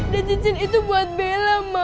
dan cincin itu buat bela mah ikut mama